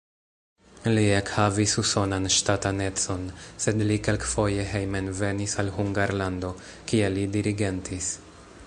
Li ekhavis usonan ŝtatanecon, sed li kelkfoje hejmenvenis al Hungarlando, kie li dirigentis.